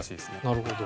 なるほど。